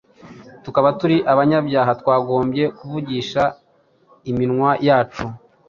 tukaba turi abanyabyaha, twagombye kuvugisha iminwa yacu